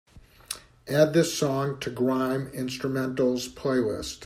add this song to grime instrumentals playlist